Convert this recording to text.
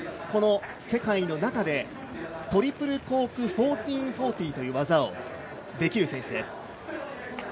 ただ一人、この世界の中でトリプルコーク１４４０という技をできる選手です。